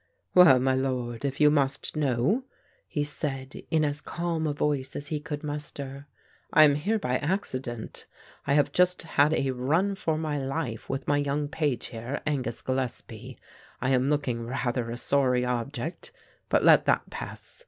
"Well, my Lord, if you must know," he said in as calm a voice as he could muster, "I am here by accident. I have just had a run for my life, with my young page here, Angus Gillespie. I am looking rather a sorry object, but let that pass.